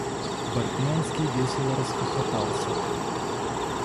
Бартнянский весело расхохотался.